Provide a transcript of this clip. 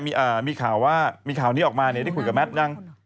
มีข่าวว่ามีข่าวนี้ออกมาเนี่ยได้คุยกับแมทยัง